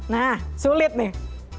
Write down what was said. nah sulit nih